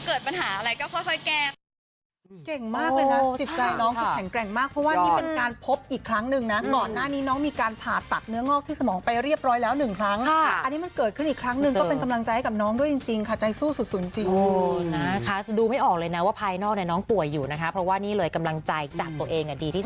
เกิดปัญหาอะไรก็ค่อยแก้ไป